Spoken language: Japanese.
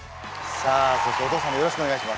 さあそしてお父さんもよろしくお願いします。